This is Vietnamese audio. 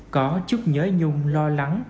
có chút nhớ nhùng lo lắng